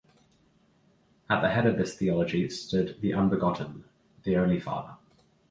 At the head of this theology stood the Unbegotten, the Only Father.